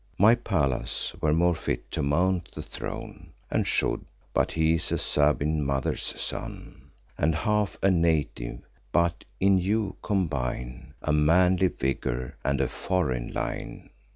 My Pallas were more fit to mount the throne, And should, but he's a Sabine mother's son, And half a native; but, in you, combine A manly vigour, and a foreign line.